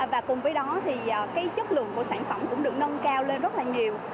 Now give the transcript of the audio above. và cùng với đó thì cái chất lượng của sản phẩm cũng được nâng cao lên rất là nhiều